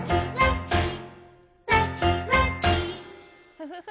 フフフ。